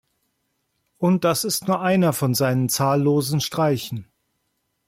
Und das ist nur einer von seinen zahllosen Streichen.